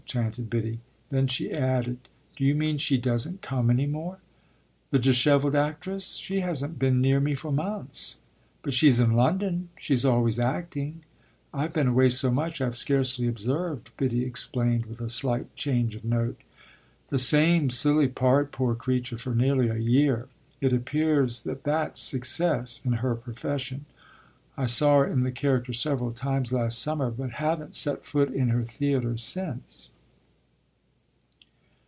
chanted Biddy. Then she added: "Do you mean she doesn't come any more?" "The dishevelled actress? She hasn't been near me for months." "But she's in London she's always acting? I've been away so much I've scarcely observed," Biddy explained with a slight change of note. "The same silly part, poor creature, for nearly a year. It appears that that's 'success' in her profession. I saw her in the character several times last summer, but haven't set foot in her theatre since."